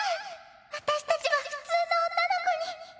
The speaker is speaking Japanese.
私たちは普通の女の子に。